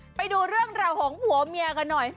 ไปดูเรื่องราวของผัวเมียกันหน่อย